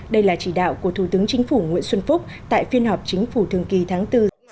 đây là chỉ đạo của thủ tướng chính phủ nguyễn xuân phúc tại phiên họp chính phủ thường kỳ tháng bốn